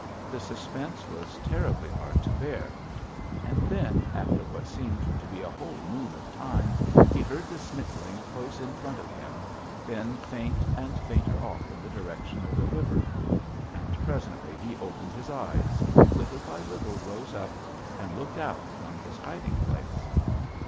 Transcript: The suspense was terribly hard to bear! And then, after what seemed to be a whole moon of time, he heard the sniffling close in front of him; then faint and fainter off in the direction of the river; and presently he opened his eyes, little by little rose up, and looked out from his hiding place.